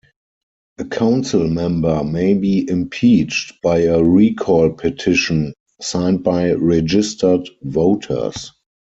A councilmember may be impeached by a recall petition signed by registered voters.